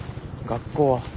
学校は。